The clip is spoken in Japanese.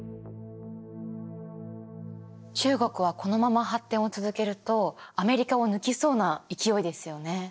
中国はこのまま発展を続けるとアメリカを抜きそうな勢いですよね。